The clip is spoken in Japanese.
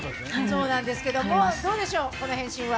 そうなんですけども、どうでしょう、この変身は。